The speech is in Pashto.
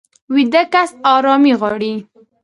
ویده کس ارامي غواړي